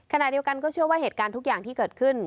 ขณะเดียวกันก็เชื่อว่าเหตุการณ์ทุกอย่างที่เกิดขึ้น